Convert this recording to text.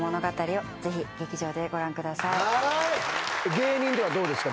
芸人ではどうですか？